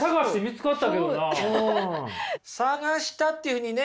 「探した」っていうふうにね